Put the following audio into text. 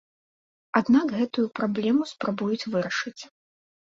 Аднак гэтую праблему спрабуюць вырашыць.